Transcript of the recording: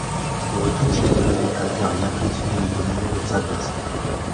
De retour chez eux, les calgariens continue de dominer leurs adversaires.